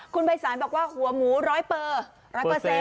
คุณใบสารบอกว่าหัวหมูร้อยเบอร์๑๐๐